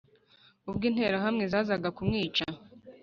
Ubwo interahamwe zazaga kumwica